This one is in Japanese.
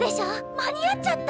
間に合っちゃった！